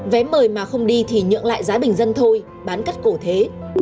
vé mời mà không đi thì nhượng lại giá bình dân thôi bán cắt cổ thế